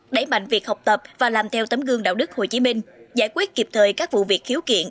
đẩy mạnh việc học tập và làm theo tấm gương đạo đức hồ chí minh giải quyết kịp thời các vụ việc khiếu kiện